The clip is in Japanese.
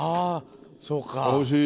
おいしい。